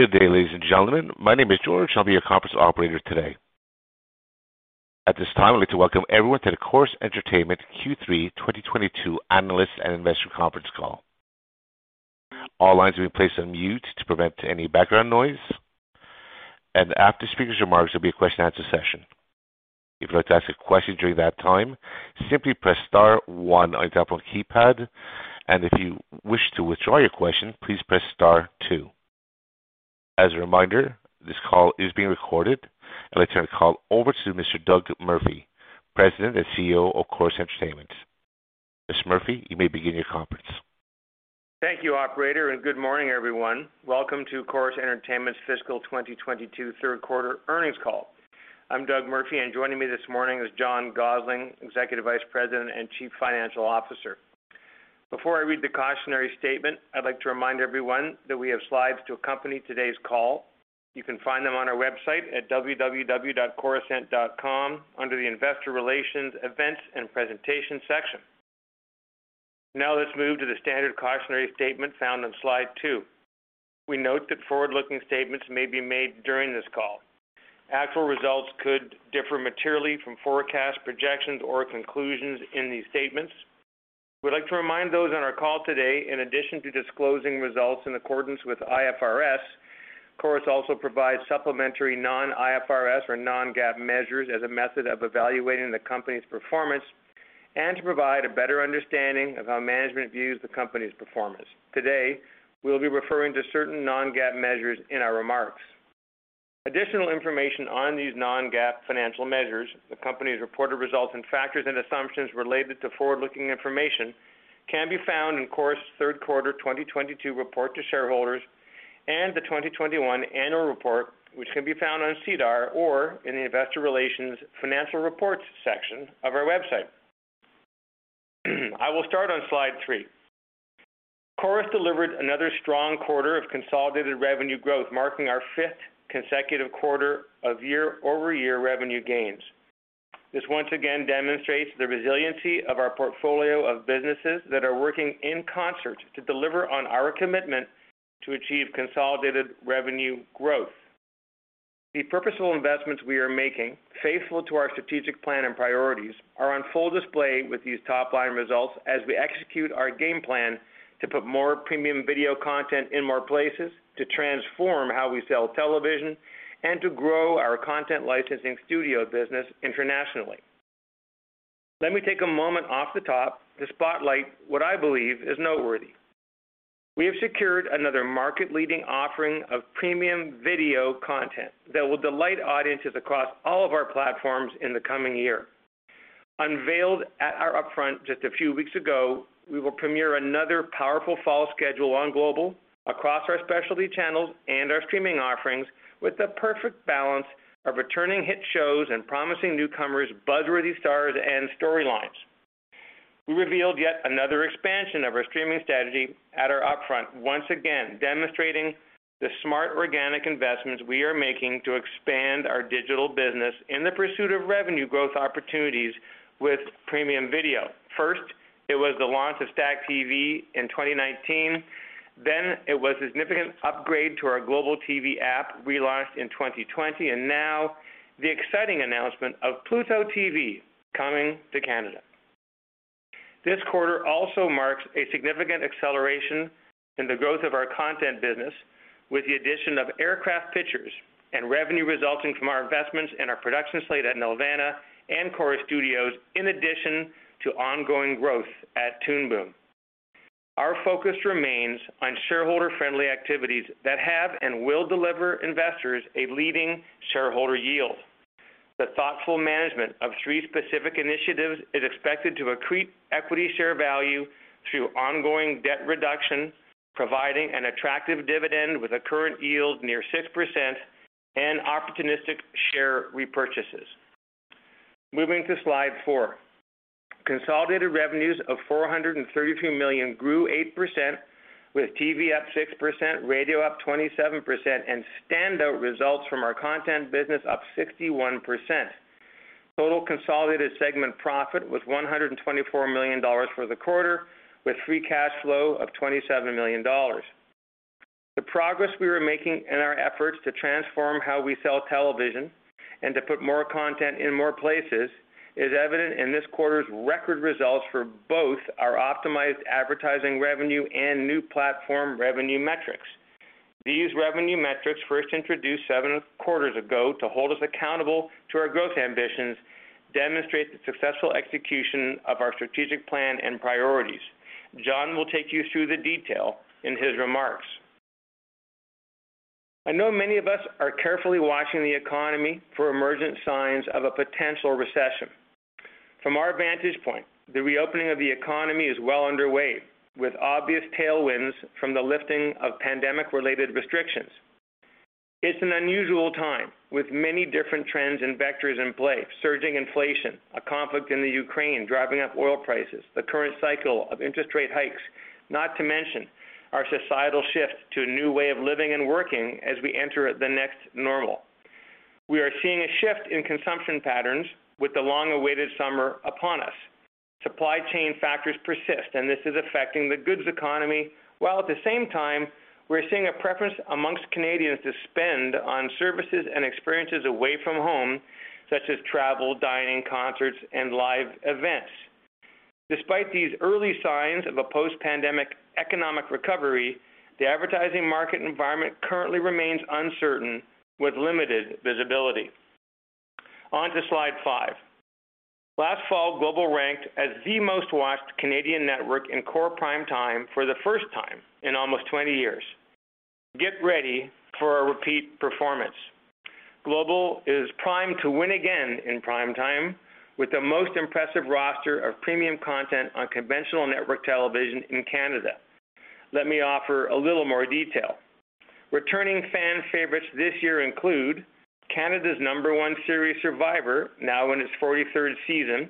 Good day, ladies and gentlemen. My name is George. I'll be your conference operator today. At this time, I'd like to welcome everyone to the Corus Entertainment Q3 2022 Analyst and Investor Conference Call. All lines have been placed on mute to prevent any background noise. After the speakers' remarks, there'll be a question-and-answer session. If you'd like to ask a question during that time, simply press star one on your telephone keypad. If you wish to withdraw your question, please press star two. As a reminder, this call is being recorded. I'd like to turn the call over to Mr. Doug Murphy, President and CEO of Corus Entertainment. Mr. Murphy, you may begin your conference. Thank you, operator, and good morning, everyone. Welcome to Corus Entertainment's fiscal 2022 3rd quarter earnings call. I'm Doug Murphy, and joining me this morning is John Gossling, Executive Vice President and Chief Financial Officer. Before I read the cautionary statement, I'd like to remind everyone that we have slides to accompany today's call. You can find them on our website at www.corusent.com under the Investor Relations Events and Presentation section. Now let's move to the standard cautionary statement found on slide two. We note that forward-looking statements may be made during this call. Actual results could differ materially from forecasts, projections, or conclusions in these statements. We'd like to remind those on our call today, in addition to disclosing results in accordance with IFRS, Corus also provides supplementary non-IFRS or non-GAAP measures as a method of evaluating the company's performance and to provide a better understanding of how management views the company's performance. Today, we'll be referring to certain non-GAAP measures in our remarks. Additional information on these non-GAAP financial measures, the company's reported results, and factors and assumptions related to forward-looking information can be found in Corus 3rd quarter 2022 report to shareholders and the 2021 annual report, which can be found on SEDAR or in the Investor Relations Financial Reports section of our website. I will start on slide three. Corus delivered another strong quarter of consolidated revenue growth, marking our fifth consecutive quarter of year-over-year revenue gains. This once again demonstrates the resiliency of our portfolio of businesses that are working in concert to deliver on our commitment to achieve consolidated revenue growth. The purposeful investments we are making, faithful to our strategic plan and priorities, are on full display with these top-line results as we execute our game plan to put more premium video content in more places, to transform how we sell television, and to grow our content licensing studio business internationally. Let me take a moment off the top to spotlight what I believe is noteworthy. We have secured another market-leading offering of premium video content that will delight audiences across all of our platforms in the coming year. Unveiled at our upfront just a few weeks ago, we will premiere another powerful fall schedule on Global across our specialty channels and our streaming offerings with the perfect balance of returning hit shows and promising newcomers, buzz-worthy stars, and storylines. We revealed yet another expansion of our streaming strategy at our upfront, once again demonstrating the smart organic investments we are making to expand our digital business in the pursuit of revenue growth opportunities with premium video. First, it was the launch of STACKTV in 2019. It was a significant upgrade to our Global TV App relaunched in 2020, and now the exciting announcement of Pluto TV coming to Canada. This quarter also marks a significant acceleration in the growth of our content business with the addition of Aircraft Pictures and revenue resulting from our investments in our production slate at Nelvana and Corus Studios, in addition to ongoing growth at. Our focus remains on shareholder-friendly activities that have and will deliver investors a leading shareholder yield. The thoughtful management of three specific initiatives is expected to accrete equity share value through ongoing debt reduction, providing an attractive dividend with a current yield near 6% and opportunistic share repurchases. Moving to slide four. Consolidated revenues of 432 million grew 8% with TV up 6%, radio up 27%, and standout results from our content business up 61%. Total consolidated segment profit was 124 million dollars for the quarter, with free cash flow of 27 million dollars. The progress we were making in our efforts to transform how we sell television and to put more content in more places is evident in this quarter's record results for both our optimized advertising revenue and new platform revenue metrics. These revenue metrics, 1st introduced seven quarters ago to hold us accountable to our growth ambitions, demonstrate the successful execution of our strategic plan and priorities. John will take you through the detail in his remarks. I know many of us are carefully watching the economy for emergent signs of a potential recession. From our vantage point, the reopening of the economy is well underway, with obvious tailwinds from the lifting of pandemic-related restrictions. It's an unusual time, with many different trends and vectors in play, surging inflation, a conflict in the Ukraine driving up oil prices, the current cycle of interest rate hikes, not to mention our societal shift to a new way of living and working as we enter the next normal. We are seeing a shift in consumption patterns with the long-awaited summer upon us. Supply chain factors persist, and this is affecting the goods economy, while at the same time, we're seeing a preference among Canadians to spend on services and experiences away from home, such as travel, dining, concerts, and live events. Despite these early signs of a post-pandemic economic recovery, the advertising market environment currently remains uncertain, with limited visibility. On to slide five. Last fall, Global ranked as the most-watched Canadian network in core prime time for the 1st time in almost 20 years. Get ready for a repeat performance. Global is primed to win again in prime time with the most impressive roster of premium content on conventional network television in Canada. Let me offer a little more detail. Returning fan favorites this year include Canada's number one series, Survivor, now in its 43rd season.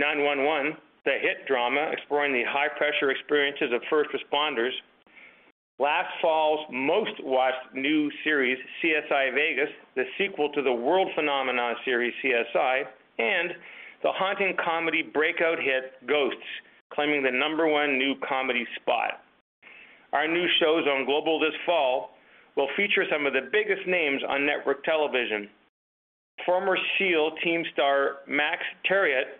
9-1-1, the hit drama exploring the high-pressure experiences of 1st responders. Last fall's most-watched new series, CSI: Vegas, the sequel to the world phenomenon series CSI, and the haunting comedy breakout hit, Ghosts, claiming the number one new comedy spot. Our new shows on Global this fall will feature some of the biggest names on network television. Former SEAL Team star Max Thieriot,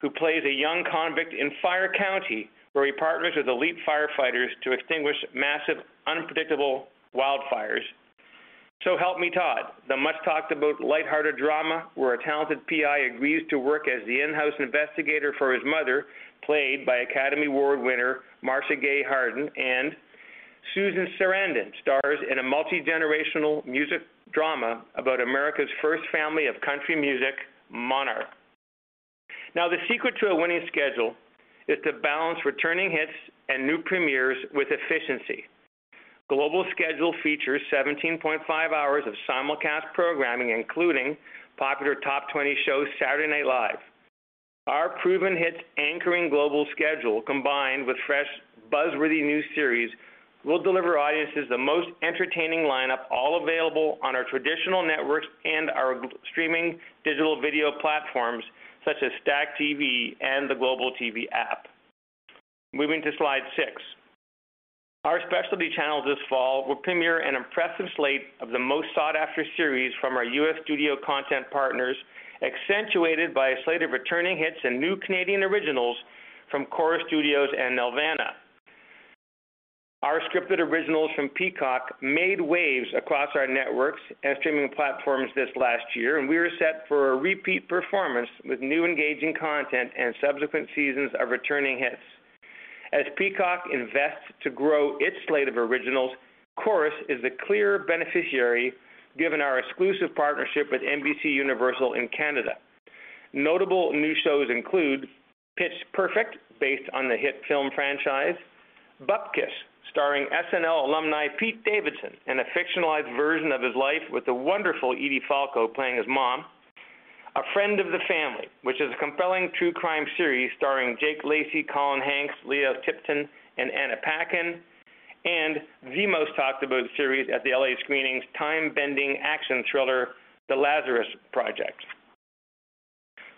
who plays a young convict in Fire Country, where he partners with elite firefighters to extinguish massive, unpredictable wildfires. So Help Me Todd, the much-talked about light-hearted drama where a talented PI agrees to work as the in-house investigator for his mother, played by Academy Award winner Marcia Gay Harden and Susan Sarandon stars in a multi-generational music drama about America's 1st family of country music, Monarch. The secret to a winning schedule is to balance returning hits and new premieres with efficiency. Global's schedule features 17.5 hours of simulcast programming, including popular top twenty show Saturday Night Live. Our proven hits anchoring Global's schedule, combined with fresh, buzz-worthy new series, will deliver audiences the most entertaining lineup, all available on our traditional networks and our streaming digital video platforms such as StackTV and the Global TV App. Moving to slide six. Our specialty channels this fall will premiere an impressive slate of the most sought-after series from our U.S. studio content partners, accentuated by a slate of returning hits and new Canadian originals from Corus Studios and Nelvana. Our scripted originals from Peacock made waves across our networks and streaming platforms this last year, and we are set for a repeat performance with new engaging content and subsequent seasons of returning hits. As Peacock invests to grow its slate of originals, Corus is the clear beneficiary, given our exclusive partnership with NBCUniversal in Canada. Notable new shows include Pitch Perfect, based on the hit film franchise. Bupkis, starring SNL alumni Pete Davidson in a fictionalized version of his life with the wonderful Edie Falco playing his mom. A Friend of the Family, which is a compelling true crime series starring Jake Lacy, Colin Hanks, Lio Tipton, and Anna Paquin. The most talked about series at the L.A. Screenings, time-bending action thriller, The Lazarus Project.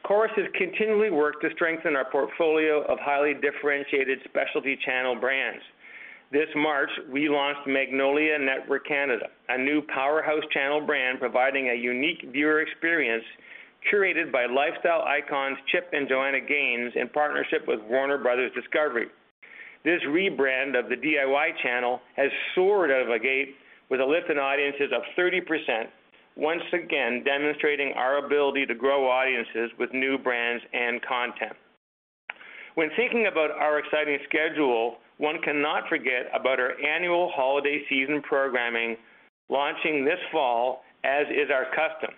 Corus has continually worked to strengthen our portfolio of highly differentiated specialty channel brands. This March, we launched Magnolia Network Canada, a new powerhouse channel brand providing a unique viewer experience curated by lifestyle icons Chip and Joanna Gaines in partnership with Warner Bros. Discovery. This rebrand of the DIY channel has soared out of the gate with a lift in audiences of 30%, once again demonstrating our ability to grow audiences with new brands and content. When thinking about our exciting schedule, one cannot forget about our annual holiday season programming launching this fall as is our custom.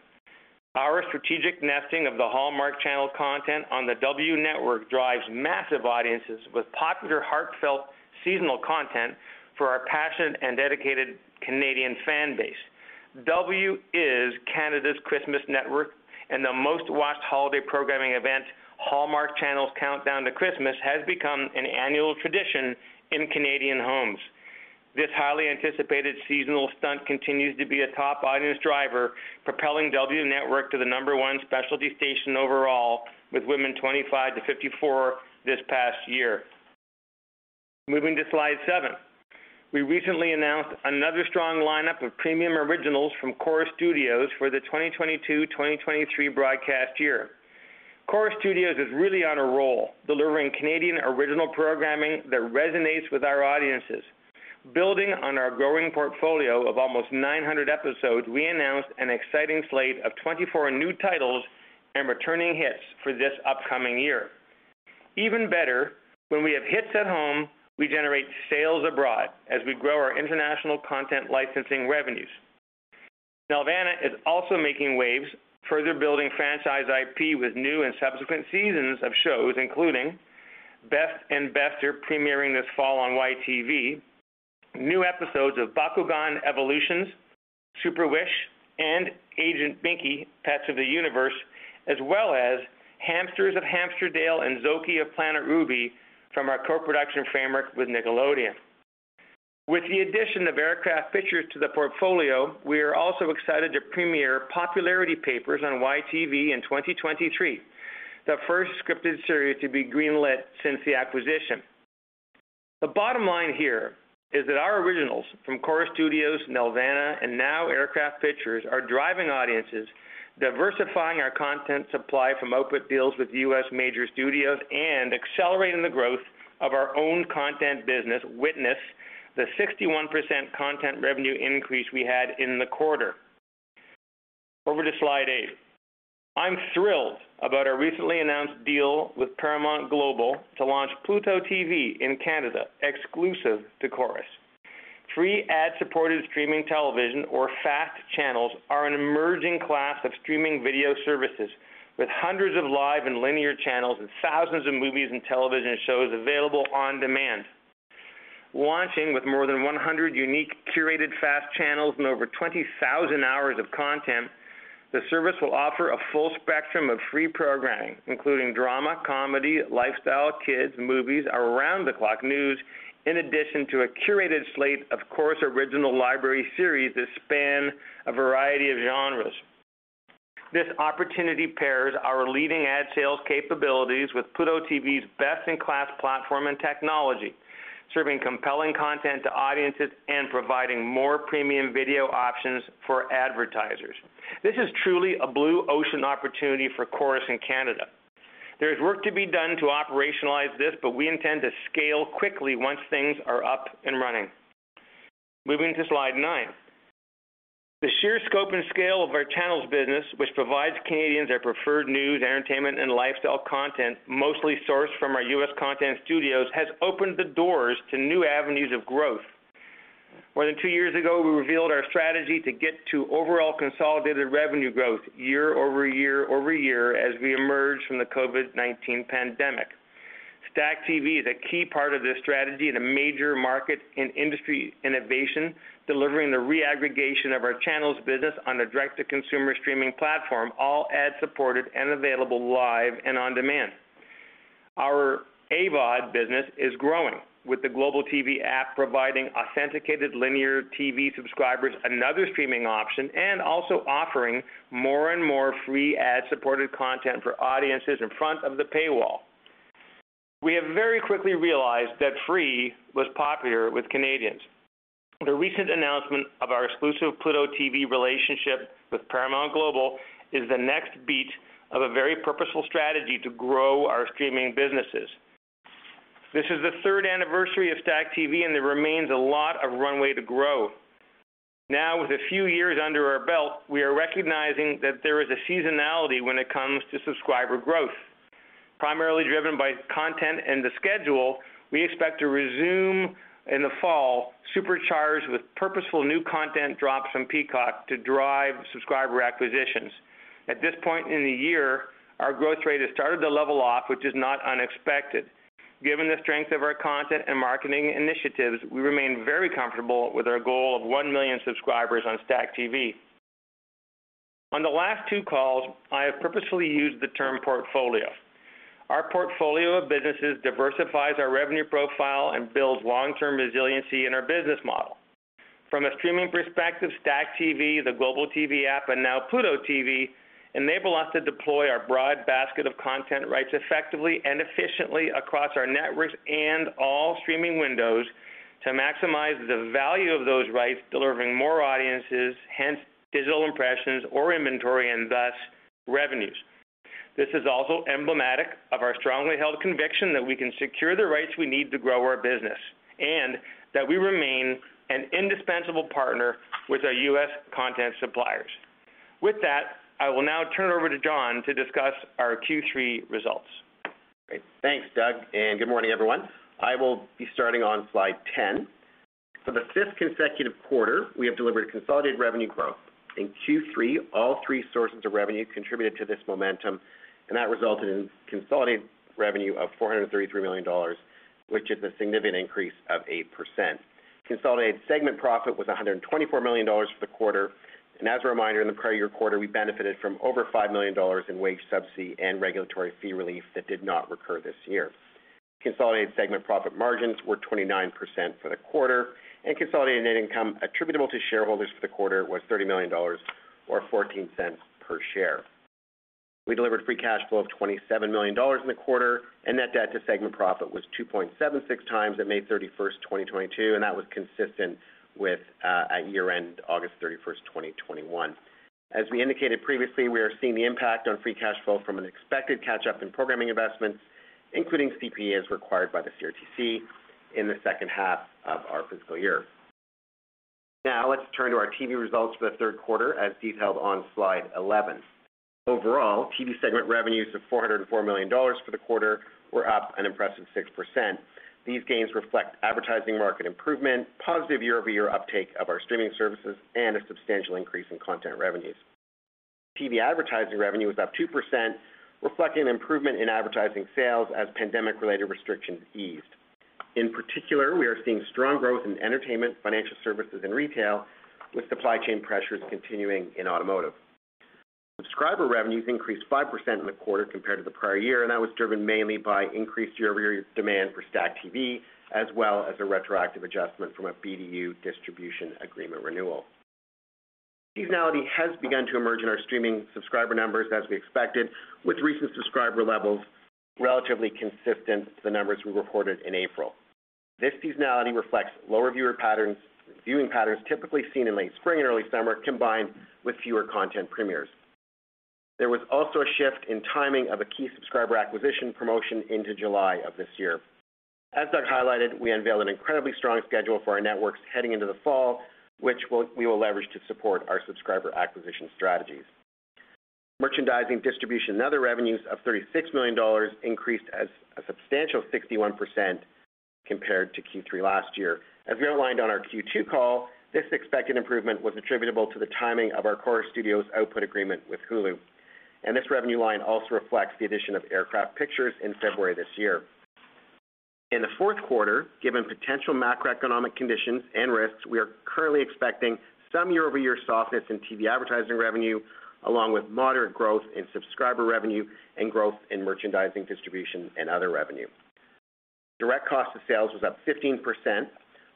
Our strategic nesting of the Hallmark Channel content on the W Network drives massive audiences with popular, heartfelt seasonal content for our passionate and dedicated Canadian fan base. W Network is Canada's Christmas network and the most-watched holiday programming event, Hallmark Channel's Countdown to Christmas, has become an annual tradition in Canadian homes. This highly anticipated seasonal stunt continues to be a top audience driver, propelling W Network to the number one specialty station overall with women 25-54 this past year. Moving to slide seven. We recently announced another strong lineup of premium originals from Corus Studios for the 2022/2023 broadcast year. Corus Studios is really on a roll, delivering Canadian original programming that resonates with our audiences. Building on our growing portfolio of almost 900 episodes, we announced an exciting slate of 24 new titles and returning hits for this upcoming year. Even better, when we have hits at home, we generate sales abroad as we grow our international content licensing revenues. Nelvana is also making waves, further building franchise IP with new and subsequent seasons of shows, including Best & Bester, premiering this fall on YTV, new episodes of Bakugan: Evolutions, Super Wish, and Agent Binky: Pets of the Universe, as well as Hamsters of Hamsterdale and Zokie of Planet Ruby from our co-production framework with Nickelodeon. With the addition of Aircraft Pictures to the portfolio, we are also excited to premiere Popularity Papers on YTV in 2023, the 1st scripted series to be greenlit since the acquisition. The bottom line here is that our originals from Corus Studios, Nelvana, and now Aircraft Pictures are driving audiences, diversifying our content supply from output deals with U.S. major studios, and accelerating the growth of our own content business. Witness the 61% content revenue increase we had in the quarter. Over to slide eight. I'm thrilled about our recently announced deal with Paramount Global to launch Pluto TV in Canada exclusive to Corus. Free ad-supported streaming television or FAST channels are an emerging class of streaming video services with hundreds of live and linear channels and thousands of movies and television shows available on demand. Launching with more than 100 unique curated FAST channels and over 20,000 hours of content, the service will offer a full spectrum of free programming, including drama, comedy, lifestyle, kids, movies, around the clock news, in addition to a curated slate of Corus original library series that span a variety of genres. This opportunity pairs our leading ad sales capabilities with Pluto TV's best in class platform and technology, serving compelling content to audiences and providing more premium video options for advertisers. This is truly a blue ocean opportunity for Corus in Canada. There is work to be done to operationalize this, but we intend to scale quickly once things are up and running. Moving to slide nine. The sheer scope and scale of our channels business, which provides Canadians their preferred news, entertainment, and lifestyle content, mostly sourced from our U.S. content studios, has opened the doors to new avenues of growth. More than two years ago, we revealed our strategy to get to overall consolidated revenue growth year-over-year as we emerge from the COVID-19 pandemic. STACKTV is a key part of this strategy in a major market in industry innovation, delivering the reaggregation of our channels business on a direct-to-consumer streaming platform, all ad-supported and available live and on demand. Our AVOD business is growing, with the Global TV App providing authenticated linear TV subscribers another streaming option and also offering more and more free ad-supported content for audiences in front of the paywall. We have very quickly realized that free was popular with Canadians. The recent announcement of our exclusive Pluto TV relationship with Paramount Global is the next beat of a very purposeful strategy to grow our streaming businesses. This is the 3rd anniversary of STACKTV, and there remains a lot of runway to grow. Now, with a few years under our belt, we are recognizing that there is a seasonality when it comes to subscriber growth. Primarily driven by content and the schedule, we expect to resume in the fall, supercharged with purposeful new content drops from Peacock to drive subscriber acquisitions. At this point in the year, our growth rate has started to level off, which is not unexpected. Given the strength of our content and marketing initiatives, we remain very comfortable with our goal of 1 million subscribers on StackTV. On the last two calls, I have purposefully used the term portfolio. Our portfolio of businesses diversifies our revenue profile and builds long-term resiliency in our business model. From a streaming perspective, StackTV, the Global TV app, and now Pluto TV enable us to deploy our broad basket of content rights effectively and efficiently across our networks and all streaming windows to maximize the value of those rights, delivering more audiences, hence digital impressions or inventory, and thus revenues. This is also emblematic of our strongly held conviction that we can secure the rights we need to grow our business, and that we remain an indispensable partner with our U.S. content suppliers. With that, I will now turn it over to John to discuss our Q3 results. Great. Thanks, Doug, and good morning, everyone. I will be starting on slide 10. For the fifth consecutive quarter, we have delivered consolidated revenue growth. In Q3, all three sources of revenue contributed to this momentum, and that resulted in consolidated revenue of 433 million dollars, which is a significant increase of 8%. Consolidated segment profit was 124 million dollars for the quarter. As a reminder, in the prior year quarter, we benefited from over 5 million dollars in wage subsidy and regulatory fee relief that did not recur this year. Consolidated segment profit margins were 29% for the quarter, and consolidated income attributable to shareholders for the quarter was 30 million dollars or 0.14 per share. We delivered free cash flow of 27 million dollars in the quarter, and net debt to segment profit was 2.76x at May 31st, 2022, and that was consistent with at year-end August 31st, 2021. As we indicated previously, we are seeing the impact on free cash flow from an expected catch-up in programming investments, including CPEs required by the CRTC in the 2nd half of our fiscal year. Now let's turn to our TV results for the 3rd quarter as detailed on slide 11. Overall, TV segment revenues of 404 million dollars for the quarter were up an impressive 6%. These gains reflect advertising market improvement, positive year-over-year uptake of our streaming services, and a substantial increase in content revenues. TV advertising revenue was up 2%, reflecting an improvement in advertising sales as pandemic-related restrictions eased. In particular, we are seeing strong growth in entertainment, financial services, and retail, with supply chain pressures continuing in automotive. Subscriber revenues increased 5% in the quarter compared to the prior year, and that was driven mainly by increased year-over-year demand for STACKTV, as well as a retroactive adjustment from a BDU distribution agreement renewal. Seasonality has begun to emerge in our streaming subscriber numbers as we expected, with recent subscriber levels relatively consistent to the numbers we reported in April. This seasonality reflects lower viewing patterns typically seen in late spring and early summer, combined with fewer content premieres. There was also a shift in timing of a key subscriber acquisition promotion into July of this year. As Doug highlighted, we unveiled an incredibly strong schedule for our networks heading into the fall, which we will leverage to support our subscriber acquisition strategies. Merchandising, distribution, and other revenues of 36 million dollars increased as a substantial 61% compared to Q3 last year. As we outlined on our Q2 call, this expected improvement was attributable to the timing of our Corus Studios' output agreement with Hulu. This revenue line also reflects the addition of Aircraft Pictures in February this year. In the 4th quarter, given potential macroeconomic conditions and risks, we are currently expecting some year-over-year softness in TV advertising revenue, along with moderate growth in subscriber revenue and growth in merchandising, distribution, and other revenue. Direct cost of sales was up 15%.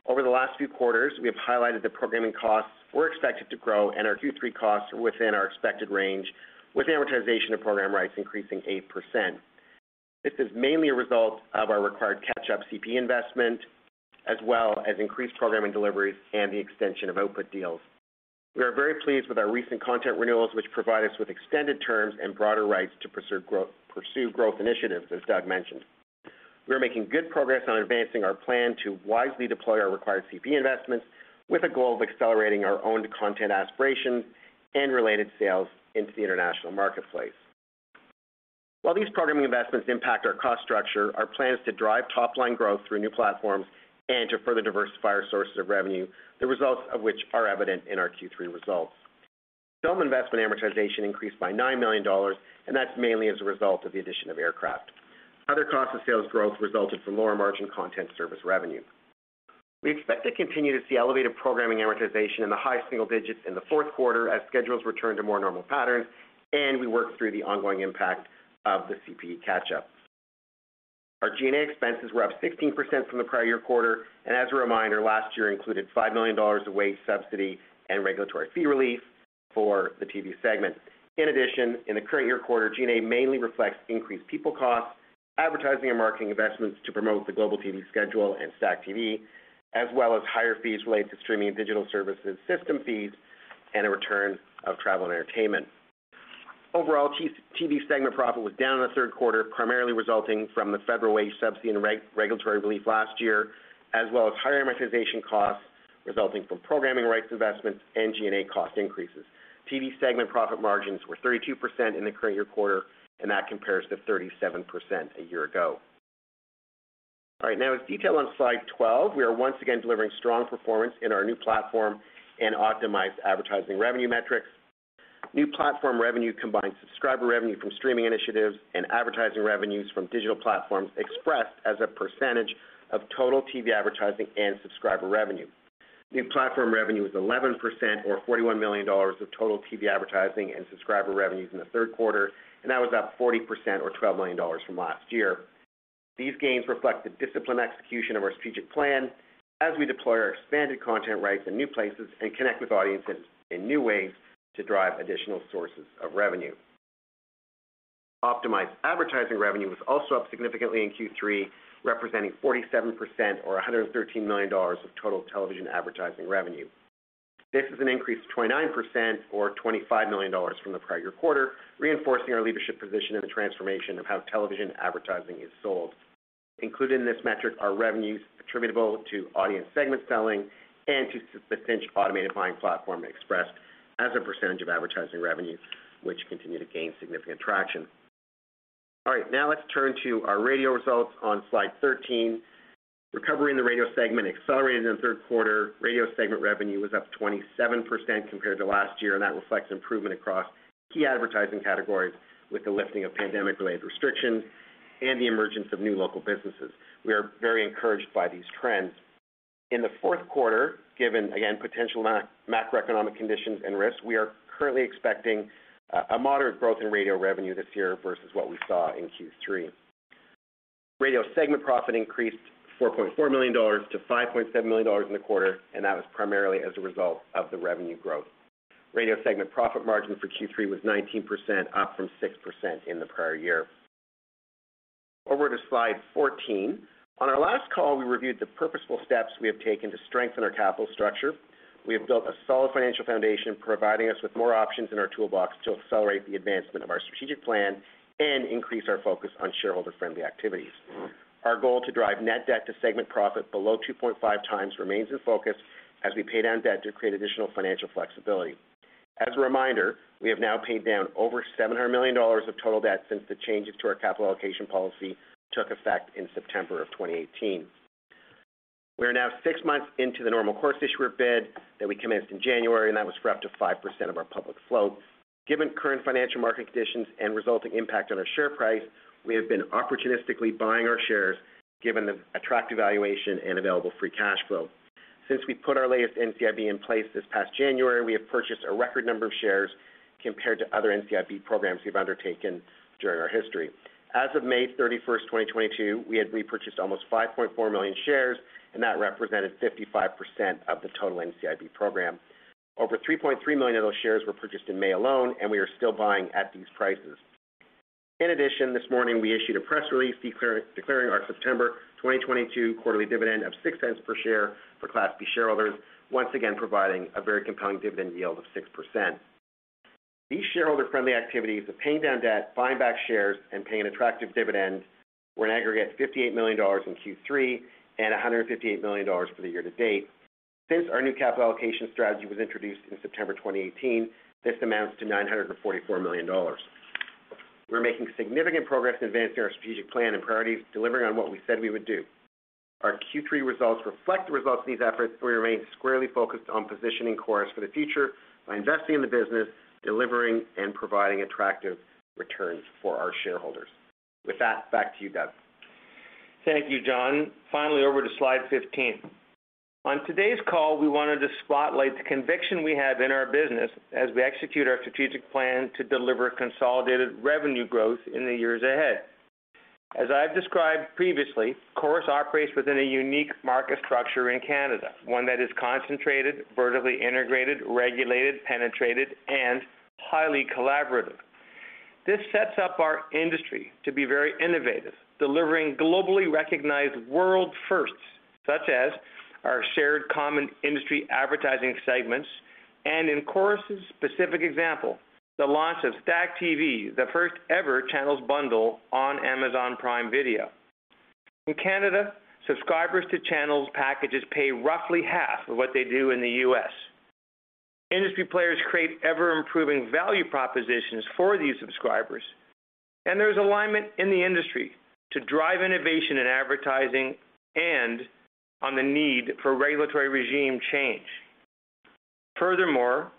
Over the last few quarters, we have highlighted the programming costs were expected to grow, and our Q3 costs are within our expected range, with amortization of program rights increasing 8%. This is mainly a result of our required catch-up CPE investment, as well as increased programming deliveries and the extension of output deals. We are very pleased with our recent content renewals, which provide us with extended terms and broader rights to pursue growth initiatives, as Doug mentioned. We are making good progress on advancing our plan to wisely deploy our required CPE investments with a goal of accelerating our owned content aspirations and related sales into the international marketplace. While these programming investments impact our cost structure, our plan is to drive top-line growth through new platforms and to further diversify our sources of revenue, the results of which are evident in our Q3 results. Film investment amortization increased by 9 million dollars, and that's mainly as a result of the addition of Aircraft Pictures. Other cost of sales growth resulted from lower margin content service revenue. We expect to continue to see elevated programming amortization in the high single digits in the 4th quarter as schedules return to more normal patterns and we work through the ongoing impact of the CPE catch-up. Our G&A expenses were up 16% from the prior year quarter, and as a reminder, last year included 5 million dollars of wage subsidy and regulatory fee relief for the TV segment. In addition, in the current year quarter, G&A mainly reflects increased people costs, advertising and marketing investments to promote the Global TV schedule and STACKTV, as well as higher fees related to streaming and digital services system fees and a return of travel and entertainment. Overall, TV segment profit was down in the 3rd quarter, primarily resulting from the federal wage subsidy and regulatory relief last year, as well as higher amortization costs resulting from programming rights investments and G&A cost increases. TV segment profit margins were 32% in the current year quarter, and that compares to 37% a year ago. All right, now, as detailed on slide 12, we are once again delivering strong performance in our new platform and optimized advertising revenue metrics. New platform revenue combines subscriber revenue from streaming initiatives and advertising revenues from digital platforms expressed as a percentage of total TV advertising and subscriber revenue. New platform revenue is 11% or 41 million dollars of total TV advertising and subscriber revenues in the 3rd quarter, and that was up 40% or 12 million dollars from last year. These gains reflect the disciplined execution of our strategic plan as we deploy our expanded content rights in new places and connect with audiences in new ways to drive additional sources of revenue. Optimized advertising revenue was also up significantly in Q3, representing 47% or 113 million dollars of total television advertising revenue. This is an increase of 29% or 25 million dollars from the prior quarter, reinforcing our leadership position in the transformation of how television advertising is sold. Included in this metric are revenues attributable to audience segment selling and to the Cynch automated buying platform expressed as a percentage of advertising revenue, which continue to gain significant traction. All right, now let's turn to our radio results on slide 13. Recovery in the radio segment accelerated in the 3rd quarter. Radio segment revenue was up 27% compared to last year, and that reflects improvement across key advertising categories with the lifting of pandemic-related restrictions and the emergence of new local businesses. We are very encouraged by these trends. In the 4th quarter, given, again, potential macroeconomic conditions and risks, we are currently expecting a moderate growth in radio revenue this year versus what we saw in Q3. Radio segment profit increased 4.4 million dollars to 5.7 million dollars in the quarter, and that was primarily as a result of the revenue growth. Radio segment profit margin for Q3 was 19%, up from 6% in the prior year. Over to slide 14. On our last call, we reviewed the purposeful steps we have taken to strengthen our capital structure. We have built a solid financial foundation, providing us with more options in our toolbox to accelerate the advancement of our strategic plan and increase our focus on shareholder-friendly activities. Our goal to drive net debt to segment profit below 2.5x remains in focus as we pay down debt to create additional financial flexibility. As a reminder, we have now paid down over 700 million dollars of total debt since the changes to our capital allocation policy took effect in September 2018. We are now six months into the normal course issuer bid that we commenced in January, and that was for up to 5% of our public float. Given current financial market conditions and resulting impact on our share price, we have been opportunistically buying our shares given the attractive valuation and available free cash flow. Since we put our latest NCIB in place this past January, we have purchased a record number of shares compared to other NCIB programs we've undertaken during our history. As of May 31st, 2022, we had repurchased almost 5.4 million shares, and that represented 55% of the total NCIB program. Over 3.3 million of those shares were purchased in May alone, and we are still buying at these prices. In addition, this morning we issued a press release declaring our September 2022 quarterly dividend of 0.06 per share for Class B shareholders, once again providing a very compelling dividend yield of 6%. These shareholder-friendly activities of paying down debt, buying back shares, and paying attractive dividends were an aggregate 58 million dollars in Q3 and 158 million dollars for the year to date. Since our new capital allocation strategy was introduced in September 2018, this amounts to 944 million dollars. We're making significant progress in advancing our strategic plan and priorities, delivering on what we said we would do. Our Q3 results reflect the results of these efforts, where we remain squarely focused on positioning Corus for the future by investing in the business, delivering, and providing attractive returns for our shareholders. With that, back to you, Doug. Thank you, John. Finally, over to slide 15. On today's call, we wanted to spotlight the conviction we have in our business as we execute our strategic plan to deliver consolidated revenue growth in the years ahead. As I've described previously, Corus operates within a unique market structure in Canada, one that is concentrated, vertically integrated, regulated, penetrated, and highly collaborative. This sets up our industry to be very innovative, delivering globally recognized world 1sts, such as our shared common industry advertising segments and, in Corus specific example, the launch of STACKTV, the 1st-ever channels bundle on Amazon Prime Video. In Canada, subscribers to channels packages pay roughly half of what they do in the U.S. Industry players create ever-improving value propositions for these subscribers, and there's alignment in the industry to drive innovation in advertising and on the need for regulatory regime change. Furthermore,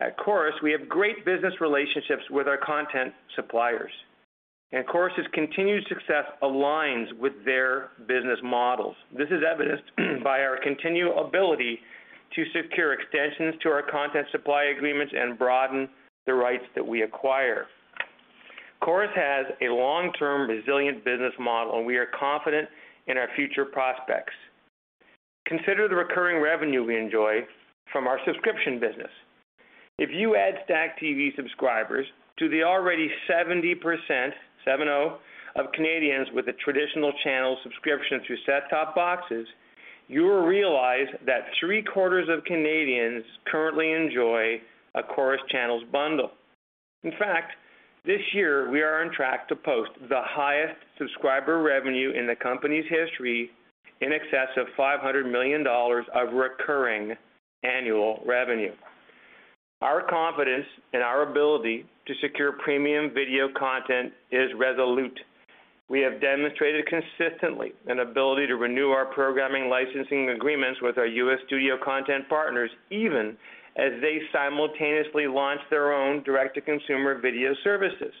at Corus, we have great business relationships with our content suppliers, and Corus continued success aligns with their business models. This is evidenced by our continued ability to secure extensions to our content supply agreements and broaden the rights that we acquire. Corus has a long-term resilient business model and we are confident in our future prospects. Consider the recurring revenue we enjoy from our subscription business. If you add STACKTV subscribers to the already 70% of Canadians with a traditional channel subscription through set-top boxes, you will realize that three-quarters of Canadians currently enjoy a Corus channels bundle. In fact, this year we are on track to post the highest subscriber revenue in the company's history, in excess of 500 million dollars of recurring annual revenue. Our confidence in our ability to secure premium video content is resolute. We have demonstrated consistently an ability to renew our programming licensing agreements with our U.S. studio content partners, even as they simultaneously launch their own direct-to-consumer video services.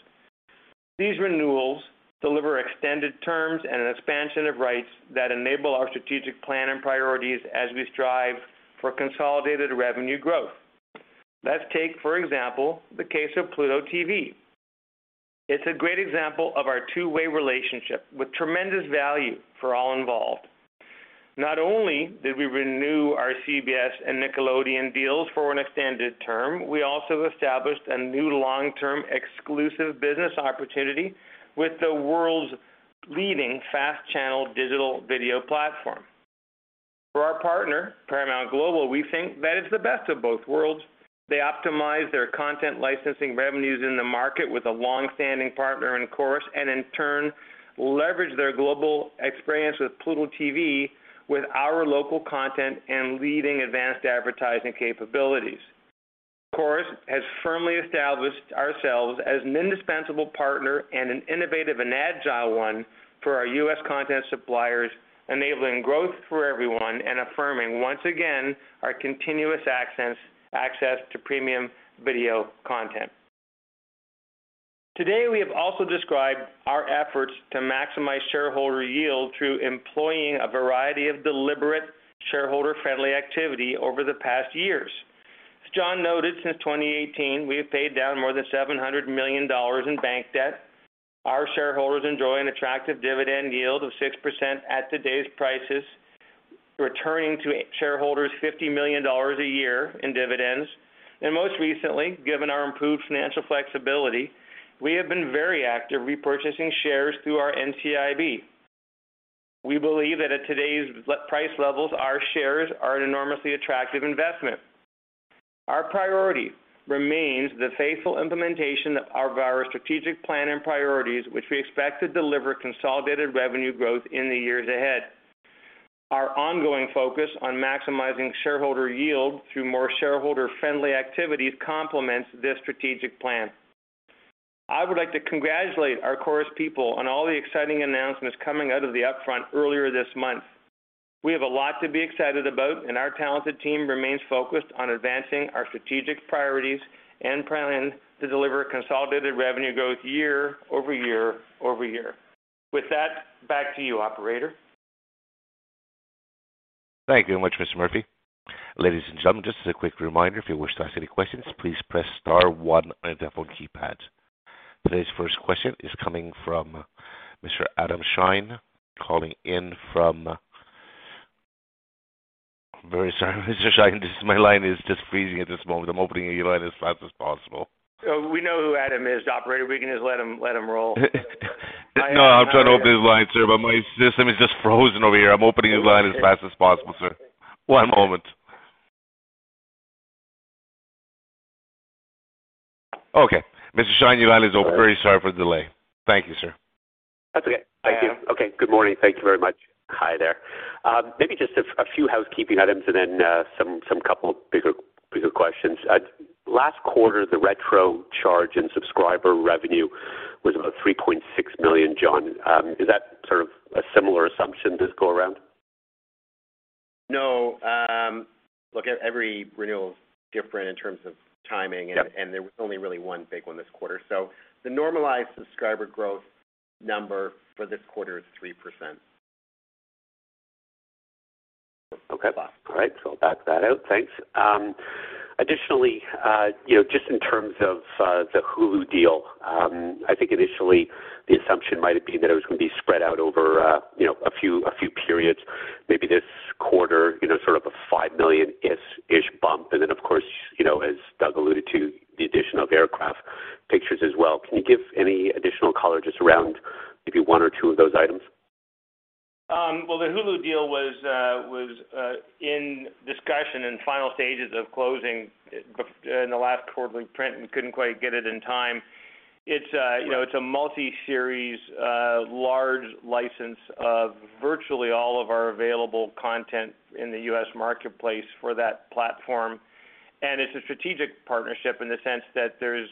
These renewals deliver extended terms and an expansion of rights that enable our strategic plan and priorities as we strive for consolidated revenue growth. Let's take, for example, the case of Pluto TV. It's a great example of our two-way relationship with tremendous value for all involved. Not only did we renew our CBS and Nickelodeon deals for an extended term, we also established a new long-term exclusive business opportunity with the world's leading FAST channel digital video platform. For our partner, Paramount Global, we think that it's the best of both worlds. They optimize their content licensing revenues in the market with a long-standing partner in Corus, and in turn, leverage their global experience with Pluto TV with our local content and leading advanced advertising capabilities. Corus has firmly established ourselves as an indispensable partner and an innovative and agile one for our U.S. content suppliers, enabling growth for everyone and affirming, once again, our continuous access to premium video content. Today, we have also described our efforts to maximize shareholder yield through employing a variety of deliberate shareholder-friendly activity over the past years. As John noted, since 2018, we have paid down more than 700 million dollars in bank debt. Our shareholders enjoy an attractive dividend yield of 6% at today's prices, returning to shareholders 50 million dollars a year in dividends. Most recently, given our improved financial flexibility, we have been very active repurchasing shares through our NCIB. We believe that at today's low price levels, our shares are an enormously attractive investment. Our priority remains the faithful implementation of our strategic plan and priorities, which we expect to deliver consolidated revenue growth in the years ahead. Our ongoing focus on maximizing shareholder yield through more shareholder-friendly activities complements this strategic plan. I would like to congratulate our Corus people on all the exciting announcements coming out of the upfront earlier this month. We have a lot to be excited about, and our talented team remains focused on advancing our strategic priorities and planning to deliver consolidated revenue growth year over year over year. With that, back to you, operator. Thank you very much, Mr. Murphy. Ladies and gentlemen, just as a quick reminder, if you wish to ask any questions, please press star one on your phone keypad. Today's 1st question is coming from Mr. Adam Shine, calling in from. Very sorry, Mr. Shine. Just my line is just freezing at this moment. I'm opening your line as fast as possible. We know who Adam is. Operator, we can just let him roll. No, I'm trying to open his line, sir, but my system is just frozen over here. I'm opening his line as fast as possible, sir. One moment. Okay, Mr. Shine, your line is open. Very sorry for the delay. Thank you, sir. That's okay. Thank you. Okay. Good morning. Thank you very much. Hi there. Maybe just a few housekeeping items and then some couple bigger questions. At last quarter, the retro charge in subscriber revenue was about 3.6 million. John, is that sort of a similar assumption this go around? No. Look, every renewal is different in terms of timing. Yep. There was only really one big one this quarter. The normalized subscriber growth number for this quarter is 3%. Okay. All right. I'll back that out. Thanks. Additionally, you know, just in terms of the Hulu deal, I think initially the assumption might have been that it was gonna be spread out over, you know, a few periods, maybe this quarter, you know, sort of a 5 million-ish bump. Then, of course, you know, as Doug alluded to, the addition of Aircraft Pictures as well. Can you give any additional color just around maybe one or two of those items? Well, the Hulu deal was in discussion in final stages of closing in the last quarterly print and couldn't quite get it in time. You know, it's a multi-series large license of virtually all of our available content in the U.S. marketplace for that platform. It's a strategic partnership in the sense that there's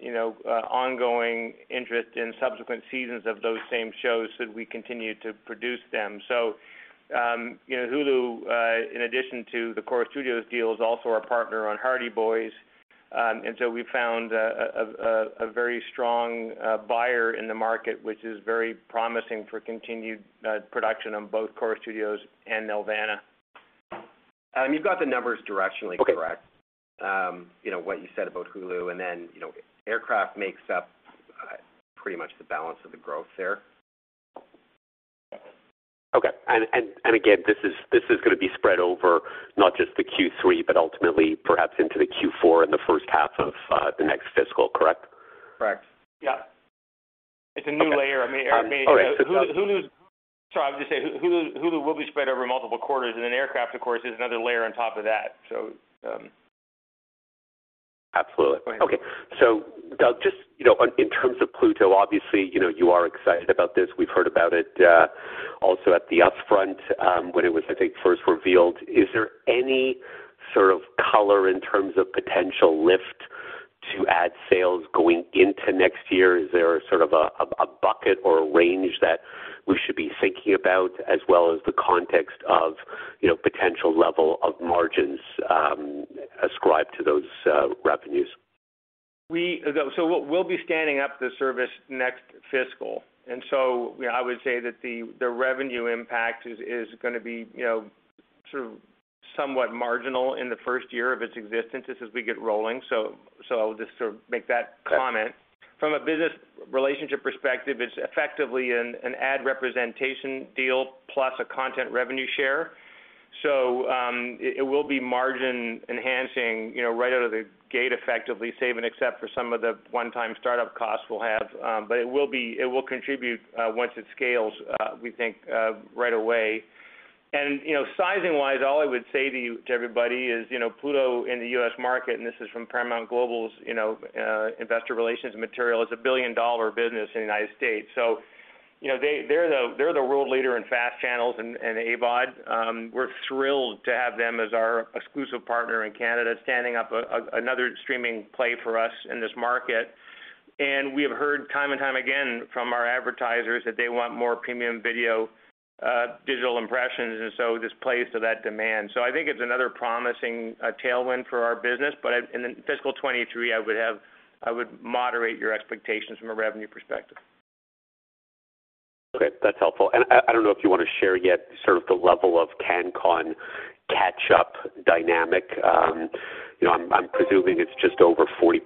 you know ongoing interest in subsequent seasons of those same shows should we continue to produce them. You know, Hulu, in addition to the Corus Studios deal, is also our partner on The Hardy Boys. We found a very strong buyer in the market, which is very promising for continued production on both Corus Studios and Nelvana. You've got the numbers directionally correct. Okay. You know, what you said about Hulu and then, you know, Aircraft Pictures makes up pretty much the balance of the growth there. Okay. Again, this is gonna be spread over not just the Q3, but ultimately perhaps into the Q4 in the 1st half of the next fiscal, correct? Correct. It's a new layer. I mean. Okay. All right. Hulu will be spread over multiple quarters, and then Aircraft Pictures, of course, is another layer on top of that. Absolutely. Go ahead. Okay. Doug, just, you know, in terms of Pluto, obviously, you know, you are excited about this. We've heard about it, also at the upfront, when it was, I think, 1st revealed. Is there any sort of color in terms of potential lift to ad sales going into next year? Is there sort of a bucket or a range that we should be thinking about, as well as the context of, you know, potential level of margins, ascribed to those revenues? We'll be standing up the service next fiscal. I would say that the revenue impact is gonna be, you know, sort of somewhat marginal in the 1st year of its existence just as we get rolling. I'll just sort of make that comment. Okay. From a business relationship perspective, it's effectively an ad representation deal plus a content revenue share. It will be margin enhancing, you know, right out of the gate, effectively, save and except for some of the one-time startup costs we'll have. It will contribute once it scales, we think, right away. You know, sizing-wise, all I would say to you, to everybody is, you know, Pluto in the U.S. market, and this is from Paramount Global's, you know, investor relations material, is a billion-dollar business in the United States. You know, they're the world leader in FAST channels and AVOD. We're thrilled to have them as our exclusive partner in Canada, standing up another streaming play for us in this market. We have heard time and time again from our advertisers that they want more premium video, digital impressions, and so this plays to that demand. I think it's another promising tailwind for our business. In fiscal 2023, I would moderate your expectations from a revenue perspective. Okay, that's helpful. I don't know if you want to share yet sort of the level of CanCon catch-up dynamic. You know, I'm presuming it's just over 40%,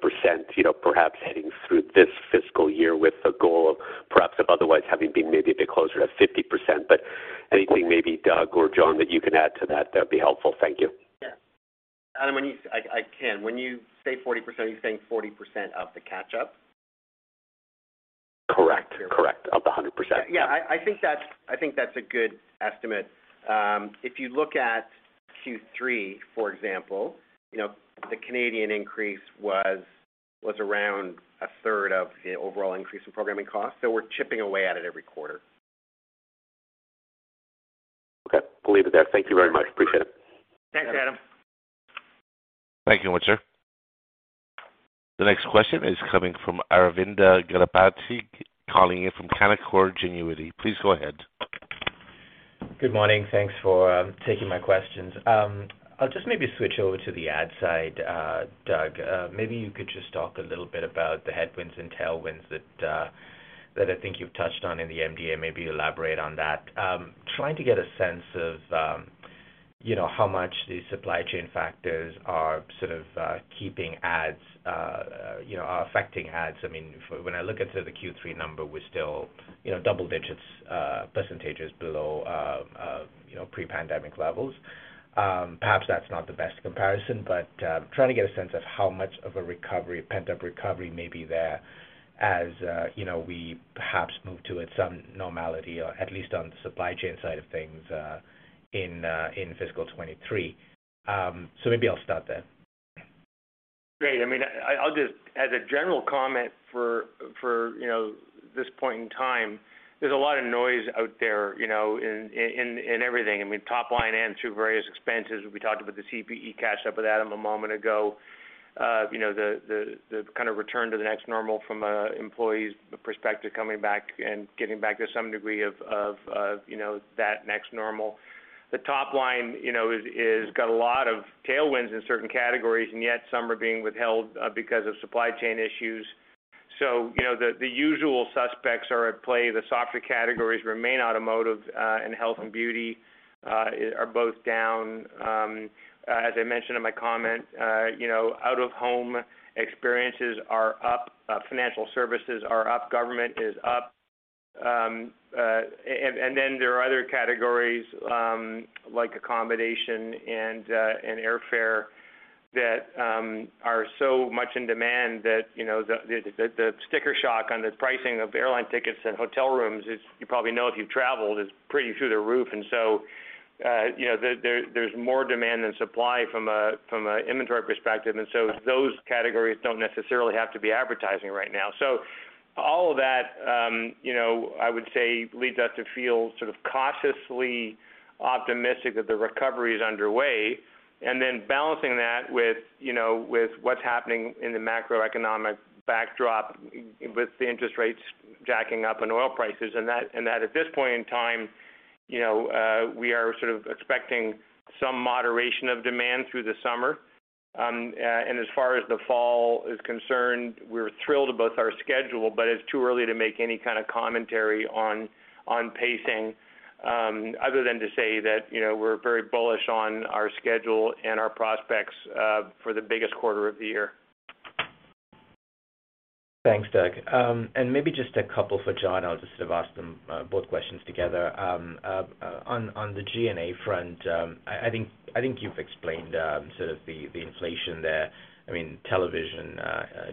you know, perhaps heading through this fiscal year with the goal of perhaps of otherwise having been maybe a bit closer to 50%. Anything maybe Doug or John that you can add to that'd be helpful. Thank you. Yeah. Adam, I can. When you say 40%, are you saying 40% of the catch-up? Correct. Of the 100%. I think that's a good estimate. If you look at Q3, for example, you know, the Canadian increase was around a 3rd of the overall increase in programming costs. We're chipping away at it every quarter. Okay. We'll leave it there. Thank you very much. Appreciate it. Thanks, Adam. Thank you, sir. The next question is coming from Aravinda Galappatthige, calling in from Canaccord Genuity. Please go ahead. Good morning. Thanks for taking my questions. I'll just maybe switch over to the ad side, Doug. Maybe you could just talk a little bit about the headwinds and tailwinds that I think you've touched on in the MD&A, maybe elaborate on that. Trying to get a sense of, you know, how much these supply chain factors are sort of keeping ads, you know, are affecting ads. I mean, when I look at the Q3 number, we're still, you know, double-digit percentages below, you know, pre-pandemic levels. Perhaps that's not the best comparison, but trying to get a sense of how much of a recovery, pent-up recovery may be there as, you know, we perhaps move towards some normality or at least on the supply chain side of things, in fiscal 2023. Maybe I'll start there. Great. I mean, I'll just as a general comment for you know, this point in time, there's a lot of noise out there, you know, in everything. I mean, top line and through various expenses. We talked about the CPE, caught up with Adam Shine a moment ago. You know, the kind of return to the next normal from an employee's perspective coming back and getting back to some degree of, you know, that next normal. The top line, you know, is got a lot of tailwinds in certain categories, and yet some are being withheld because of supply chain issues. You know, the usual suspects are at play. The softer categories remain automotive and health and beauty are both down. As I mentioned in my comment, you know, out-of-home experiences are up, financial services are up, government is up. And then there are other categories, like accommodation and airfare that are so much in demand that, you know, the sticker shock on the pricing of airline tickets and hotel rooms is, you probably know if you've traveled, pretty through the roof. You know, there's more demand than supply from a inventory perspective, and so those categories don't necessarily have to be advertising right now. All of that, you know, I would say leads us to feel sort of cautiously optimistic that the recovery is underway. Balancing that with, you know, with what's happening in the macroeconomic backdrop with the interest rates jacking up and oil prices and that at this point in time, you know, we are sort of expecting some moderation of demand through the summer. As far as the fall is concerned, we're thrilled about our schedule, but it's too early to make any kind of commentary on pacing, other than to say that, you know, we're very bullish on our schedule and our prospects for the biggest quarter of the year. Thanks, Doug. Maybe just a couple for John. I'll just sort of ask them both questions together. On the G&A front, I think you've explained sort of the inflation there. I mean, television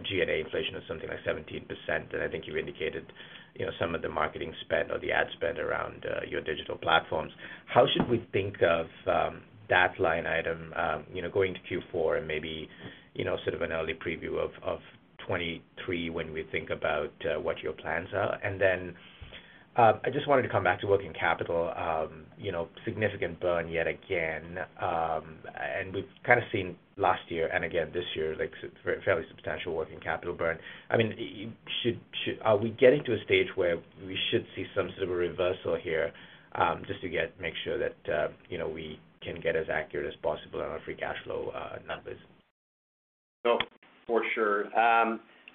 G&A inflation is something like 17%, and I think you indicated, you know, some of the marketing spend or the ad spend around your digital platforms. How should we think of that line item, you know, going to Q4 and maybe, you know, sort of an early preview of 2023 when we think about what your plans are? I just wanted to come back to working capital. You know, significant burn yet again, and we've kind of seen last year and again this year, like fairly substantial working capital burn. I mean, are we getting to a stage where we should see some sort of a reversal here, just to make sure that, you know, we can get as accurate as possible on our free cash flow numbers? For sure.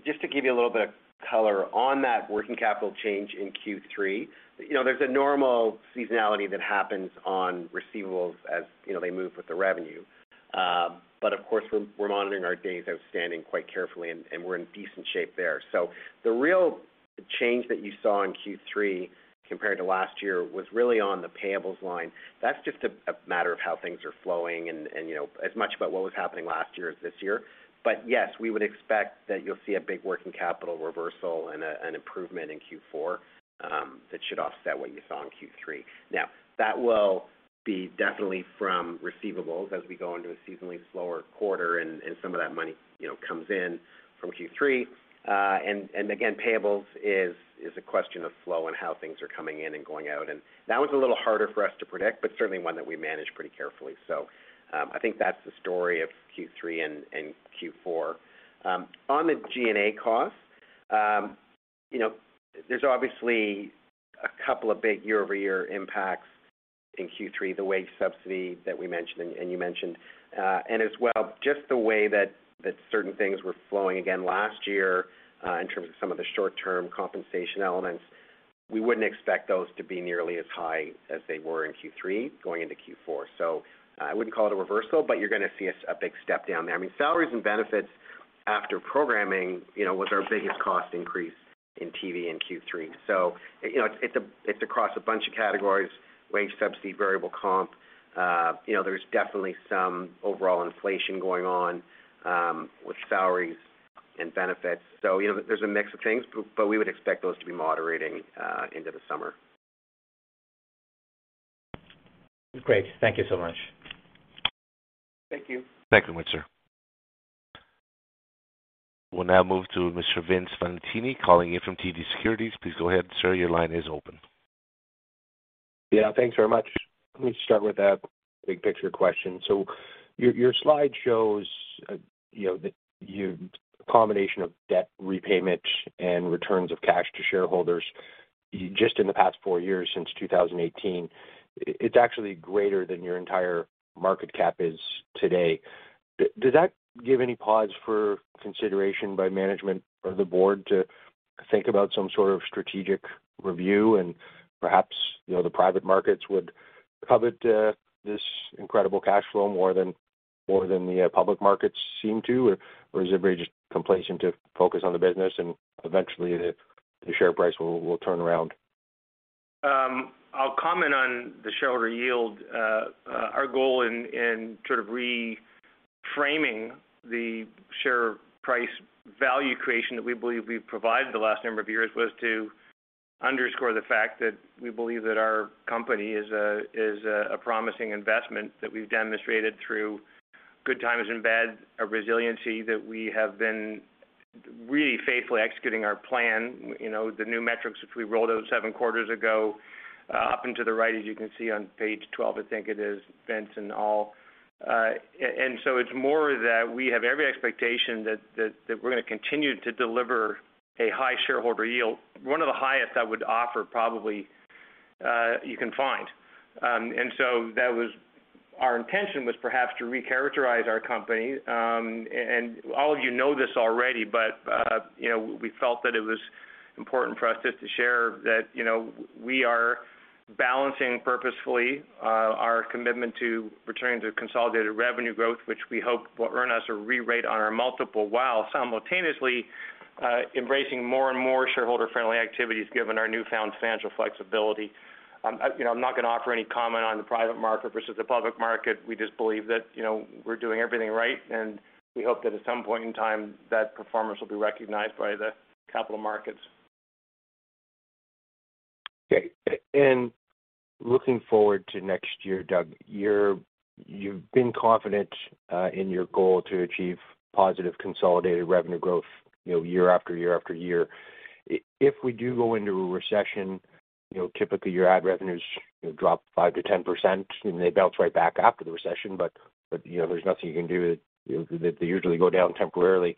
Just to give you a little bit of color on that working capital change in Q3. You know, there's a normal seasonality that happens on receivables as you know, they move with the revenue. Of course, we're monitoring our days outstanding quite carefully, and we're in decent shape there. The real change that you saw in Q3 compared to last year was really on the payables line. That's just a matter of how things are flowing and you know, as much about what was happening last year as this year. Yes, we would expect that you'll see a big working capital reversal and an improvement in Q4 that should offset what you saw in Q3. Now, that will be definitely from receivables as we go into a seasonally slower quarter and some of that money, you know, comes in from Q3. Again, payables is a question of flow and how things are coming in and going out. That one's a little harder for us to predict, but certainly one that we manage pretty carefully. I think that's the story of Q3 and Q4. On the G&A cost, you know, there's obviously a couple of big year-over-year impacts in Q3, the wage subsidy that we mentioned and you mentioned. As well, just the way that certain things were flowing again last year, in terms of some of the short-term compensation elements. We wouldn't expect those to be nearly as high as they were in Q3 going into Q4. I wouldn't call it a reversal, but you're gonna see a big step down there. I mean, salaries and benefits after programming, you know, was our biggest cost increase in TV in Q3. You know, it's across a bunch of categories, wage subsidy, variable comp. You know, there's definitely some overall inflation going on with salaries and benefits. You know, there's a mix of things, but we would expect those to be moderating into the summer. Great. Thank you so much. Thank you. Thank you, Winter. We'll now move to Mr. Vince Valentini calling in from TD Securities. Please go ahead, sir. Your line is open. Yeah, thanks very much. Let me start with. Big picture question. Your slide shows that combination of debt repayment and returns of cash to shareholders just in the past four years since 2018, it's actually greater than your entire market cap is today. Does that give any pause for consideration by management or the board to think about some sort of strategic review and perhaps the private markets would covet this incredible cash flow more than the public markets seem to? Is everybody just complacent to focus on the business and eventually the share price will turn around? I'll comment on the shareholder yield. Our goal in sort of reframing the share price value creation that we believe we've provided the last number of years was to underscore the fact that we believe that our company is a promising investment that we've demonstrated through good times and bad, a resiliency that we have been really faithfully executing our plan. You know, the new metrics, which we rolled out 7 quarters ago, up and to the right, as you can see on page 12, I think it is, Vince and all. It's more that we have every expectation that we're gonna continue to deliver a high shareholder yield, one of the highest I would offer probably you can find. That was our intention was perhaps to recharacterize our company. All of you know this already, but, you know, we felt that it was important for us just to share that, you know, we are balancing purposefully our commitment to returning to consolidated revenue growth, which we hope will earn us a rerate on our multiple, while simultaneously embracing more and more shareholder-friendly activities given our newfound financial flexibility. You know, I'm not gonna offer any comment on the private market versus the public market. We just believe that, you know, we're doing everything right, and we hope that at some point in time, that performance will be recognized by the capital markets. Okay. Looking forward to next year, Doug, you've been confident in your goal to achieve positive consolidated revenue growth, you know, year after year after year. If we do go into a recession, you know, typically your ad revenues drop 5%-10%, and they bounce right back after the recession. You know, there's nothing you can do. They usually go down temporarily.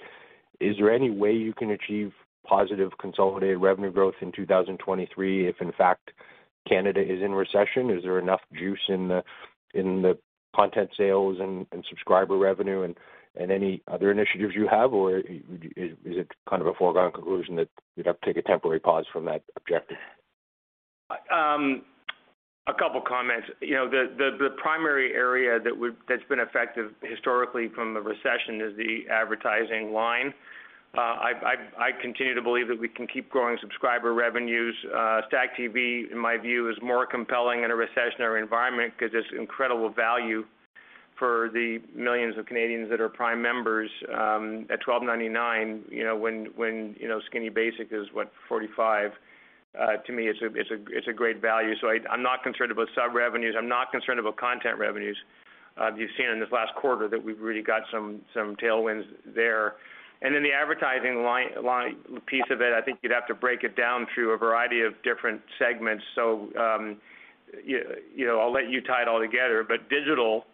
Is there any way you can achieve positive consolidated revenue growth in 2023, if in fact, Canada is in recession? Is there enough juice in the content sales and subscriber revenue and any other initiatives you have? Or is it kind of a foregone conclusion that you'd have to take a temporary pause from that objective? A couple of comments. You know, the primary area that's been affected historically from a recession is the advertising line. I continue to believe that we can keep growing subscriber revenues. STACKTV, in my view, is more compelling in a recessionary environment because it's incredible value for the millions of Canadians that are Prime members at 12.99, you know, when Skinny Basic is what, 45. To me, it's a great value. I'm not concerned about sub revenues. I'm not concerned about content revenues. You've seen in this last quarter that we've really got some tailwinds there. The advertising line piece of it, I think you'd have to break it down through a variety of different segments. I'll let you tie it all together. Digital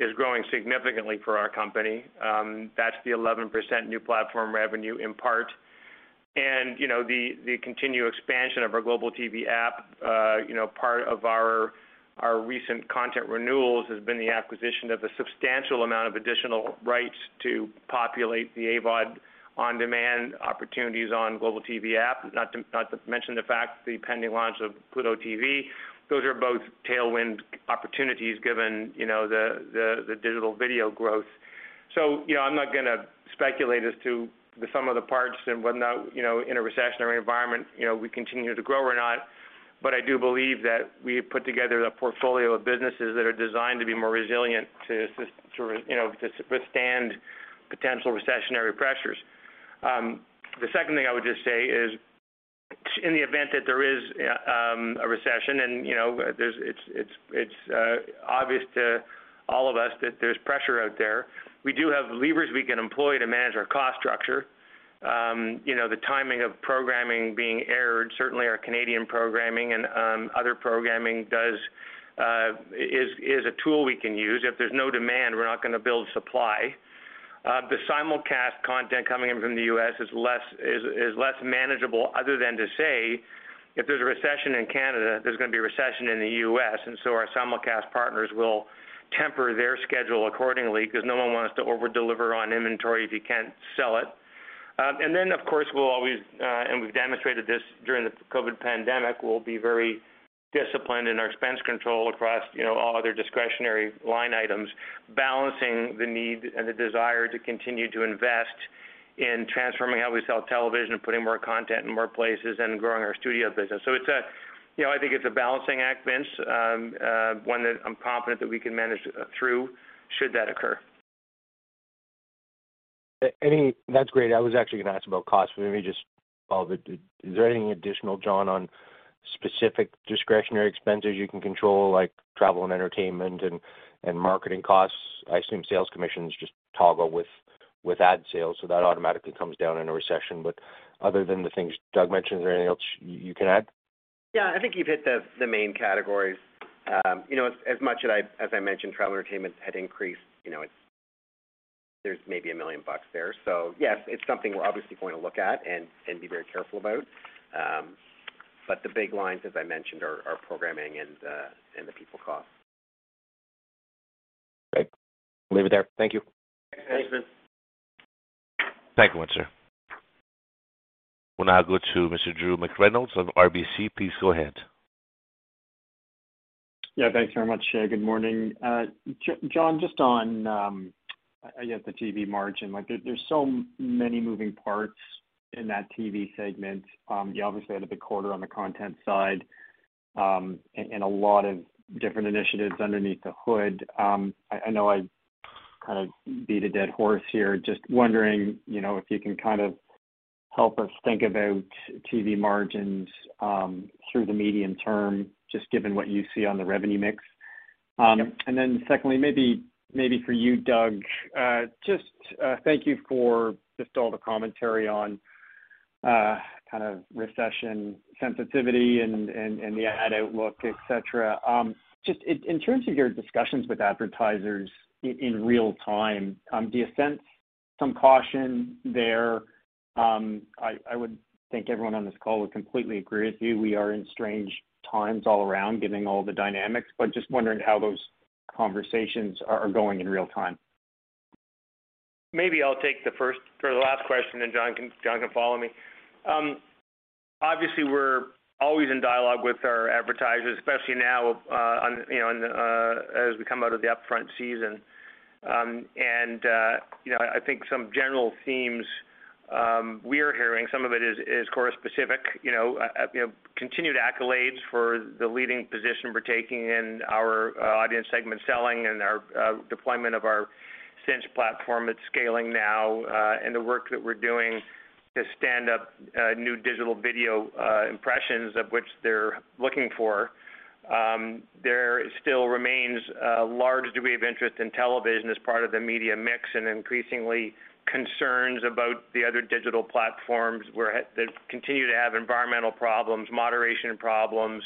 is growing significantly for our company. That's the 11% new platform revenue in part. You know, the continued expansion of our Global TV App, part of our recent content renewals has been the acquisition of a substantial amount of additional rights to populate the AVOD on-demand opportunities on Global TV App. Not to mention the fact, the pending launch of Pluto TV. Those are both tailwind opportunities given the digital video growth. You know, I'm not gonna speculate as to the sum of the parts and whether or not, you know, in a recessionary environment, you know, we continue to grow or not. I do believe that we put together a portfolio of businesses that are designed to be more resilient to withstand potential recessionary pressures. The 2nd thing I would just say is in the event that there is a recession and it's obvious to all of us that there's pressure out there, we do have levers we can employ to manage our cost structure. The timing of programming being aired, certainly our Canadian programming and other programming is a tool we can use. If there's no demand, we're not gonna build supply. The simulcast content coming in from the U.S. is less manageable other than to say, if there's a recession in Canada, there's gonna be a recession in the U.S., and so our simulcast partners will temper their schedule accordingly because no one wants to over-deliver on inventory if you can't sell it. Of course, we'll always, and we've demonstrated this during the COVID pandemic, we'll be very disciplined in our expense control across, you know, all other discretionary line items, balancing the need and the desire to continue to invest in transforming how we sell television and putting more content in more places and growing our studio business. It's a balancing act, Vince, one that I'm confident that we can manage through should that occur. That's great. I was actually gonna ask about cost. Let me just follow. Is there anything additional, John, on specific discretionary expenses you can control, like travel and entertainment and marketing costs? I assume sales commissions just toggle with ad sales, so that automatically comes down in a recession. Other than the things Doug mentioned, is there anything else you can add? Yeah, I think you've hit the main categories. You know, as much as I mentioned, travel and entertainment had increased. You know, there's maybe 1 million bucks there. Yes, it's something we're obviously going to look at and be very careful about. The big lines, as I mentioned, are programming and the people cost. Great. We'll leave it there. Thank you. Thanks. Thank you once, sir. We'll now go to Mr. Drew McReynolds of RBC Capital Markets. Please go ahead. Yeah, thanks very much. Good morning. John, just on, I get the TV margin, like, there's so many moving parts in that TV segment. You obviously had a big quarter on the content side, and a lot of different initiatives underneath the hood. I know I kind of beat a dead horse here. Just wondering, you know, if you can kind of help us think about TV margins through the medium term, just given what you see on the revenue mix. Then secondly, maybe for you, Doug, just thank you for all the commentary on kind of recession sensitivity and the ad outlook, et cetera. Just in terms of your discussions with advertisers in real time, do you sense some caution there? I would think everyone on this call would completely agree with you. We are in strange times all around giving all the dynamics, but just wondering how those conversations are going in real time. Maybe I'll take the 1st or the last question, and John can follow me. Obviously, we're always in dialogue with our advertisers, especially now, you know, on the as we come out of the upfront season. You know, I think some general themes we are hearing. Some of it is Corus specific, you know, continued accolades for the leading position we're taking in our audience segment selling and our deployment of our Cynch platform. It's scaling now, and the work that we're doing to stand up new digital video impressions of which they're looking for. There still remains a large degree of interest in television as part of the media mix and increasing concerns about the other digital platforms where they continue to have environmental problems, moderation problems,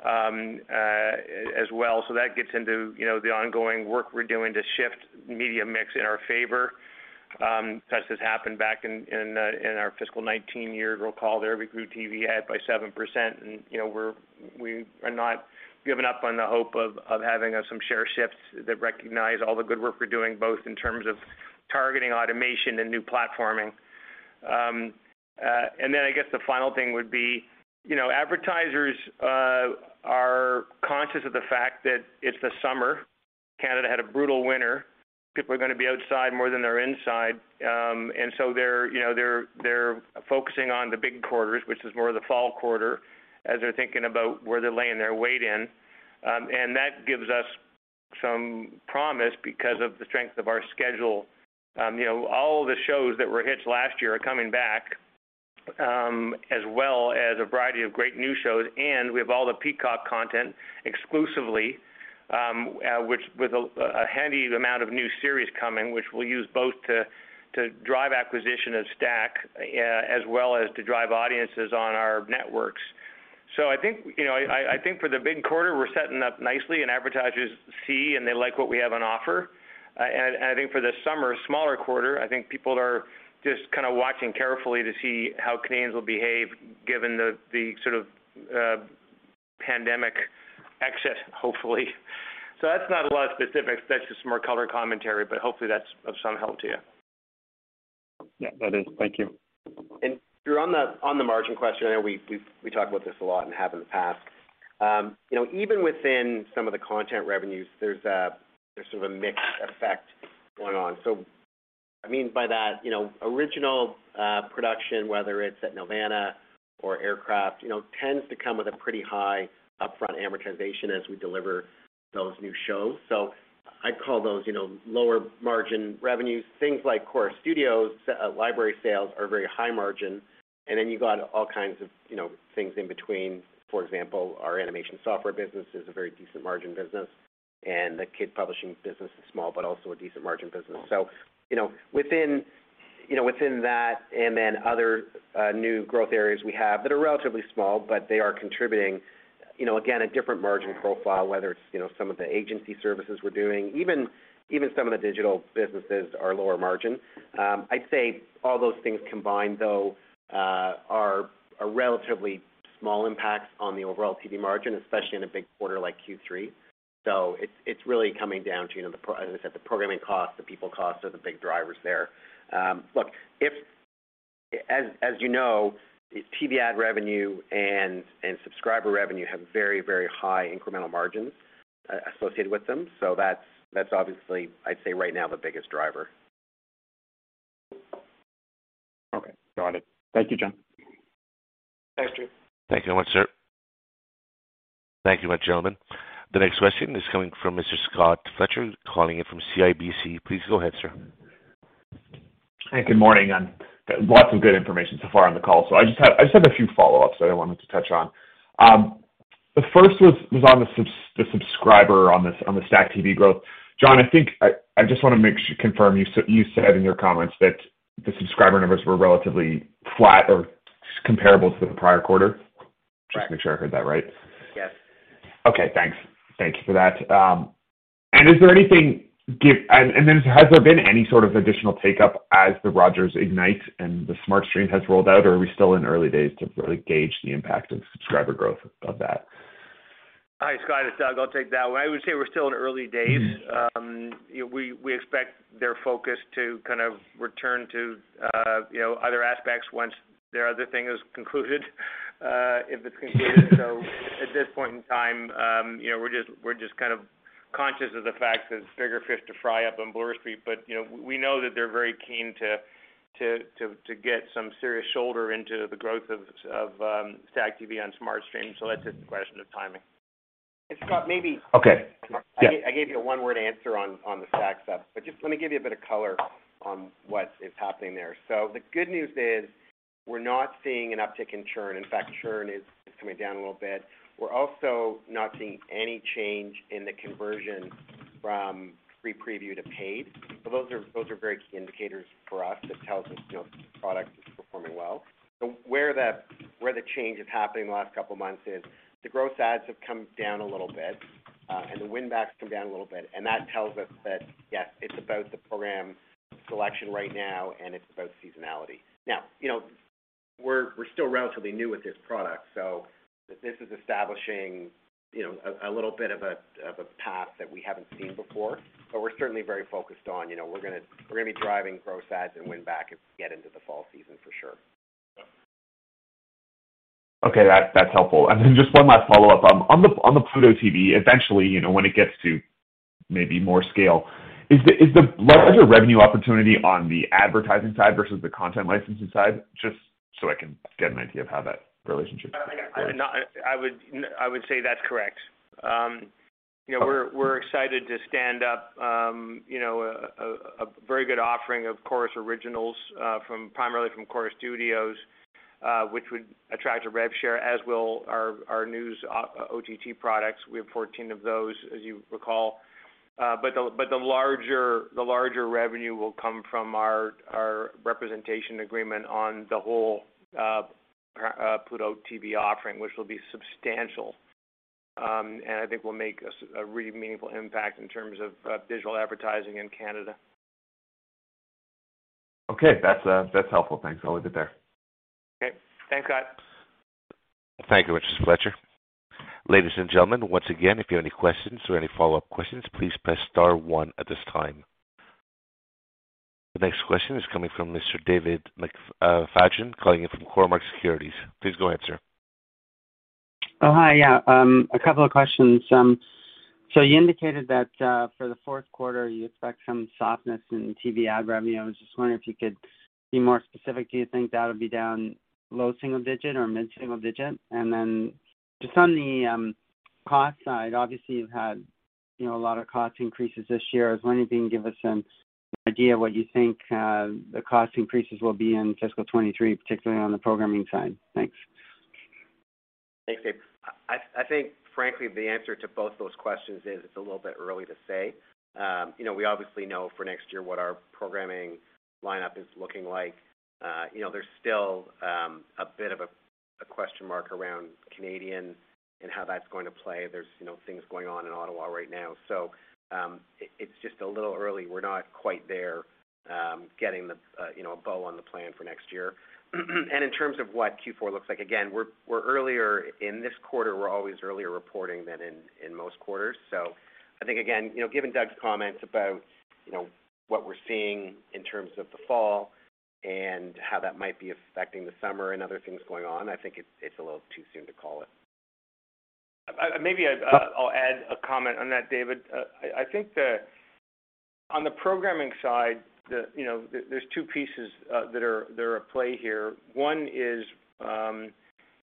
as well. That gets into, you know, the ongoing work we're doing to shift media mix in our favor. As this happened back in our fiscal 2019 year, we cut every group TV ad by 7%. You know, we're not giving up on the hope of having some share shifts that recognize all the good work we're doing, both in terms of targeting automation and new platforming. Then I guess the final thing would be, you know, advertisers are conscious of the fact that it's the summer. Canada had a brutal winter. People are going to be outside more than they're inside. They're, you know, focusing on the big quarters, which is more the fall quarter as they're thinking about where they're laying their weight in. That gives us some promise because of the strength of our schedule. You know, all the shows that were hits last year are coming back, as well as a variety of great new shows. We have all the Peacock content exclusively, which with a healthy amount of new series coming, which we'll use both to drive acquisition of STACKTV, as well as to drive audiences on our networks. I think, you know, for the big quarter, we're setting up nicely and advertisers see and they like what we have on offer. I think for the summer, smaller quarter, I think people are just kind of watching carefully to see how Canadians will behave given the sort of pandemic exit, hopefully. That's not a lot of specifics. That's just more color commentary, but hopefully that's of some help to you. Yeah, that is. Thank you. Drew, on the margin question, I know we talk about this a lot and have in the past. You know, even within some of the content revenues, there's sort of a mixed effect going on. I mean by that, original production, whether it's at Nelvana or Aircraft Pictures, tends to come with a pretty high upfront amortization as we deliver those new shows. I call those lower margin revenues. Things like Corus Studios, library sales are very high margin. You've got all kinds of things in between. For example, our animation software business is a very decent margin business, and the kid publishing business is small but also a decent margin business. You know, within, you know, within that and then other new growth areas we have that are relatively small, but they are contributing, you know, again, a different margin profile, whether it's, you know, some of the agency services we're doing, even some of the digital businesses are lower margin. I'd say all those things combined, though, are relatively small impacts on the overall TV margin, especially in a big quarter like Q3. It's really coming down to, you know, as I said, the programming costs, the people costs are the big drivers there. Look, as you know, TV ad revenue and subscriber revenue have very, very high incremental margins associated with them. That's obviously I'd say right now, the biggest driver. Okay, got it. Thank you, John. Thanks, Drew. Thank you much, sir. Thank you, gentlemen. The next question is coming from Mr. Scott Fletcher calling in from CIBC Capital Markets. Please go ahead, sir. Hey, good morning. Lots of good information so far on the call. I just had a few follow-ups that I wanted to touch on. The 1st was on the subscriber on the STACKTV growth. John, I think I just want to make sure, confirm, you said in your comments that the subscriber numbers were relatively flat or comparable to the prior quarter. Right. Just to make sure I heard that right. Yes. Okay, thanks. Thank you for that. Has there been any sort of additional take-up as the Rogers Ignite and the Ignite has rolled out? Are we still in the early days to really gauge the impact of subscriber growth of that? Hi, Scott, it's Doug. I'll take that one. I would say we're still in the early days. You know, we expect their focus to kind of return to you know, other aspects once their other thing is concluded, if it's concluded. At this point in time, you know, we're just kind of conscious of the fact there's bigger fish to fry up on Bloor Street. You know, we know that they're very keen to get some serious shoulder into the growth of STACKTV on Ignite SmartStream. That's just a question of timing. Scott, maybe. Okay. Yeah. I gave you a one-word answer on the Stack stuff, but just let me give you a bit of color on what is happening there. The good news is we're not seeing an uptick in churn. In fact, churn is coming down a little bit. We're also not seeing any change in the conversion from free preview to paid. Those are very key indicators for us that tells us, you know, product is performing well. Where the change is happening in the last couple of months is the growth ads have come down a little bit, and the win backs come down a little bit. That tells us that, yes, it's about the program selection right now, and it's about seasonality. Now, you know, we're still relatively new with this product, so this is establishing, you know, a little bit of a path that we haven't seen before. But we're certainly very focused on, you know, we're gonna be driving growth ads and win back as we get into the fall season for sure. Okay, that's helpful. Just one last follow-up. On the Pluto TV, eventually, you know, when it gets to maybe more scale, is the larger revenue opportunity on the advertising side versus the content licensing side, just so I can get an idea of how that relationship works. I would say that's correct. You know, we're excited to stand up, you know, a very good offering of Corus originals, from primarily Corus Studios, which would attract a rev share, as will our news OTT products. We have 14 of those, as you recall. The larger revenue will come from our representation agreement on the whole Pluto TV offering, which will be substantial, and I think will make us a really meaningful impact in terms of digital advertising in Canada. Okay. That's helpful. Thanks. I'll leave it there. Okay. Thanks, Scott. Thank you, Mr. Fletcher. Ladies and gentlemen, once again, if you have any questions or any follow-up questions, please press star one at this time. The next question is coming from Mr. David McFadgen, calling in from Cormark Securities. Please go ahead, sir. Oh, hi. Yeah, a couple of questions. So you indicated that, for the 4th quarter, you expect some softness in TV ad revenue. I was just wondering if you could be more specific. Do you think that'll be down low single digit or mid-single digit? Just on the cost side, obviously, you've had, you know, a lot of cost increases this year. I was wondering if you can give us an idea of what you think, the cost increases will be in fiscal 2023, particularly on the programming side. Thanks. Thanks, David. I think frankly, the answer to both those questions is it's a little bit early to say. You know, we obviously know for next year what our programming lineup is looking like. You know, there's still a bit of a question mark around CanCon and how that's going to play. There's you know, things going on in Ottawa right now. It's just a little early. We're not quite there getting the, you know, a bow on the plan for next year. In terms of what Q4 looks like, again, we're earlier in this quarter. We're always earlier reporting than in most quarters. I think, again, you know, given Doug's comments about, you know, what we're seeing in terms of the fall and how that might be affecting the summer and other things going on, I think it's a little too soon to call it. I'll add a comment on that, David. On the programming side, you know, there's two pieces that are at play here. One is,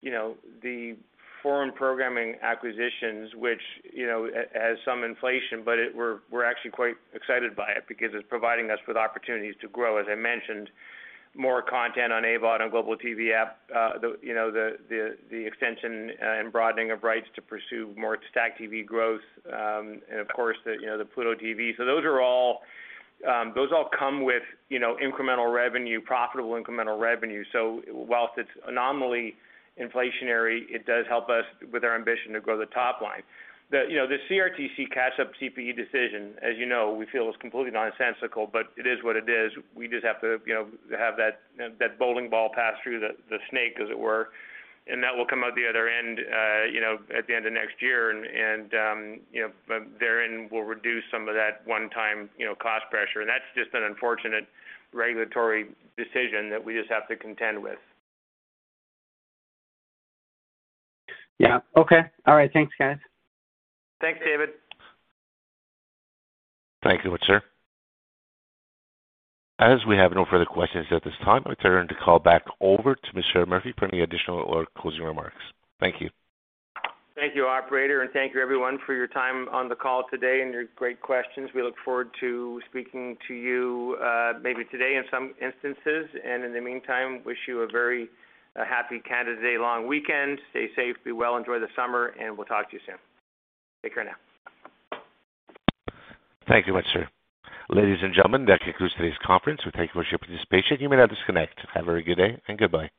you know, the foreign programming acquisitions, which, you know, has some inflation, but we're actually quite excited by it because it's providing us with opportunities to grow. As I mentioned, more content on AVOD, on Global TV App, the extension and broadening of rights to pursue more STACKTV growth, and of course, the Pluto TV. Those all come with, you know, incremental revenue, profitable incremental revenue. While it's anomalously inflationary, it does help us with our ambition to grow the top line. The CRTC catch-up CPE decision, as you know, we feel is completely nonsensical, but it is what it is. We just have to, you know, have that bowling ball pass through the snake, as it were, and that will come out the other end, you know, at the end of next year. Therein will reduce some of that one-time, you know, cost pressure. That's just an unfortunate regulatory decision that we just have to contend with. Yeah. Okay. All right. Thanks, guys. Thanks, David. Thank you, sir. As we have no further questions at this time, I turn the call back over to Mr. Murphy for any additional or closing remarks. Thank you. Thank you, operator, and thank you everyone for your time on the call today and your great questions. We look forward to speaking to you, maybe today in some instances, and in the meantime, wish you a very happy Canada Day long weekend. Stay safe, be well, enjoy the summer, and we'll talk to you soon. Take care now. Thank you much, sir. Ladies and gentlemen, that concludes today's conference. We thank you for your participation. You may now disconnect. Have a very good day and goodbye.